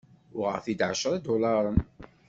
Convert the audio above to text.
Uɣeɣ-t-id εecra idularen.